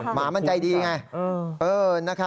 หมามันใจดีไง